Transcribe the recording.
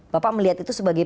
bapak melihat itu sebagai